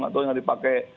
atau yang dipakai